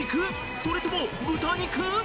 それとも豚肉？